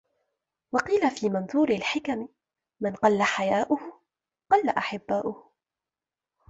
وَقِيلَ فِي مَنْثُورِ الْحِكَمِ مَنْ قَلَّ حَيَاؤُهُ قَلَّ أَحِبَّاؤُهُ